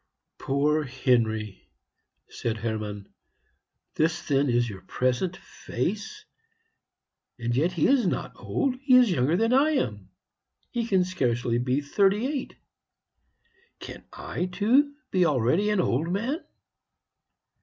"Poor Henry!" said Hermann; "this, then, is your present face! And yet he is not old; he is younger than I am; he can scarcely be thirty eight. Can I, too, be already an old man?"